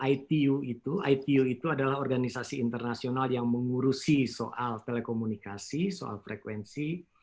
itu itu itu adalah organisasi internasional yang mengurusi soal telekomunikasi soal frekuensi